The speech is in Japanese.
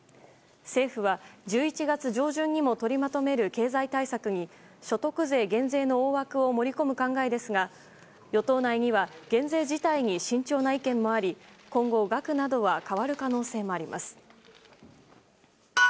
政府は１１月上旬にも取りまとめる経済対策に所得税減税の大枠を盛り込む考えですが与党内には減税自体に慎重な意見もあり今後、額などは変わる可能性もあります。